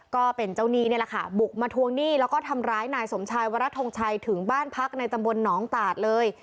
ก็เป็นเจ้าหนี้นี่แหละค่ะบุกมาทวงหนี้แล้วก็ทำร้ายนายสมชายวรทงชัยถึงบ้านพักในตำบลหนองตาดเลย